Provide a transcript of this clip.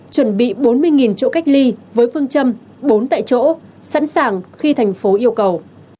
chuẩn bị bốn mươi chỗ cách ly với phương châm bốn tại chỗ sẵn sàng khi thành phố yêu cầu